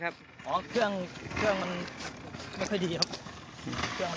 จากตอบภูมิผ่านไปอีกสิ่งที่มีดาวนี้